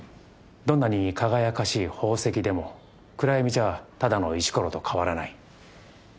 どんなに輝かしい宝石でも暗闇じゃただの石ころと変わらない。